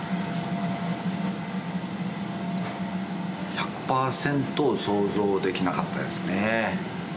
１００％想像できなかったですね。